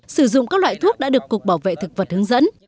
sử dụng các loại thuốc đã được cục bảo vệ thực vật hướng dẫn